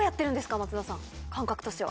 松田さん感覚としては。